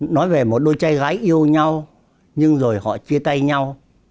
nói về một đôi trai gái yêu nhau nhưng rồi họ chia tay nhau